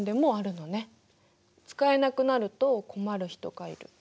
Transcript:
使えなくなると困る人がいる。